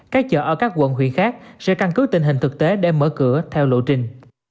các chợ ở các quận huyện khác sẽ căn cứ tình hình thực tế để mở cửa theo lộ trình